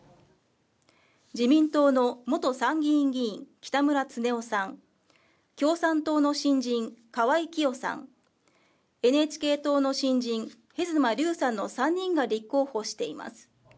自民党の元参議院議員、北村経夫さん、共産党の新人、河合喜代さん、ＮＨＫ党の新人、へずまりゅうさんの３人が立候補しています。